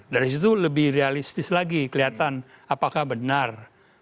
dari situ lebih realistis lagi kelihatan apakah benar memang pak gatil itu